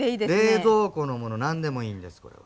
冷蔵庫のものなんでもいいんですこれは。